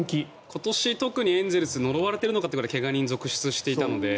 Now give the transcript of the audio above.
今年、特にエンゼルス呪われているのかというぐらい怪我人が続出していたので。